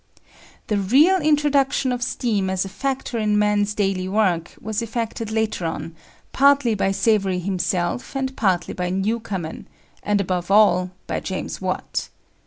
The real introduction of steam as a factor in man's daily work was effected later on, partly by Savery himself and partly by Newcomen, and above all by James Watt.